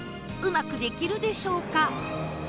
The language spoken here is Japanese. うまくできるでしょうか？